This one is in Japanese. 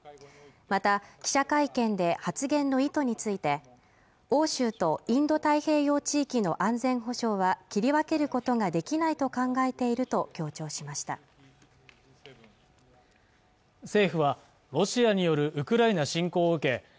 また記者会見で発言の意図について欧州とインド太平洋地域の安全保障は切り分けることができないと考えていると強調しました政府はロシアによるウクライナ侵攻を受け